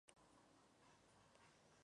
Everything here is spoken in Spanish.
Murió en Manchester.